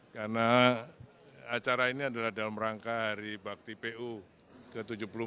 karena acara ini adalah dalam rangka hari bakti pu ke tujuh puluh empat